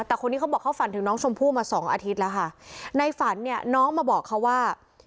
แต่คนนี้เขาบอกเขาฝันถึงน้องชมพู่มาสองอาทิตย์แล้วค่ะในฝันเนี่ยน้องมาบอกเขาว่า